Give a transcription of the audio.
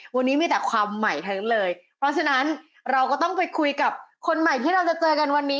วันนี้มีแต่ความใหม่ทั้งนั้นเลยเพราะฉะนั้นเราก็ต้องไปคุยกับคนใหม่ที่เราจะเจอกันวันนี้